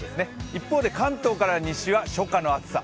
一方で、関東から西は初夏の暑さ。